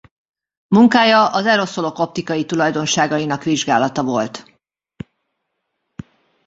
Munkája az aeroszolok optikai tulajdonságainak vizsgálata volt.